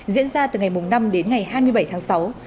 diễn ra từ ngày năm đến ngày hai mươi bảy tháng sáu